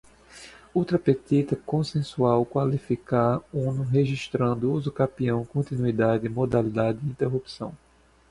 ultra petita, concensual, qualificar, uno, registrando, usucapião, continuada, modalidade, interrupção